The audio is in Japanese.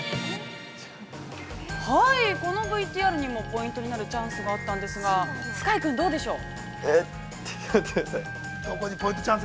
◆このＶＴＲにもポイントになるチャンスがあったんですが、碧海君、どうでしょう？